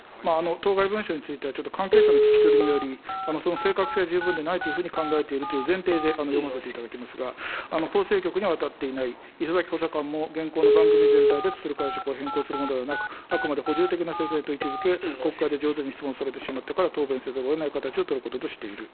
当該文書については、ちょっと関係者の聞き取りにより、その正確性は十分でないというふうに考えているという前提で読ませていただきますが、法制局に渡っていない、礒崎補佐官も現行の番組全体でとするその解釈を変更するものではなく、あくまで補充的な説明と位置づけ、国会で上手に質問されてしまったから、答弁せざるをえない形を取ることとしている。